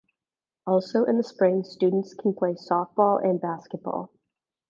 Also in the spring students can play softball and basketball.